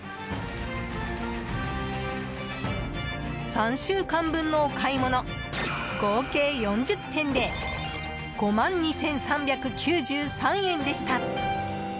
３週間分のお買い物合計４０点で５万２３９３円でした。